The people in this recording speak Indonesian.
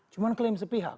cuma klaim sepihak